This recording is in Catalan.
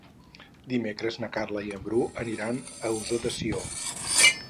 Dimecres na Carla i en Bru aniran a Ossó de Sió.